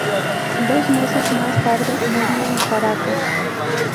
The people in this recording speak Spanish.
Dos meses más tarde murió en Caracas.